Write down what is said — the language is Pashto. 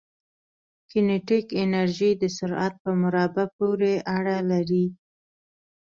کینیتیک انرژي د سرعت په مربع پورې اړه لري.